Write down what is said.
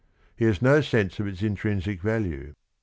He has n o s ense of its intrinsic value.